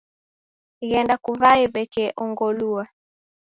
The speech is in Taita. Ghenda kuw'aye w'eke ongolua.